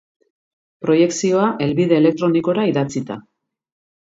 Proiekzioa helbide elektronikora idatzita.